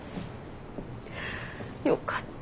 よかった。